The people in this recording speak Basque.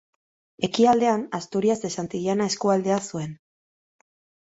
Ekialdean Asturias de Santillana eskualdea zuen.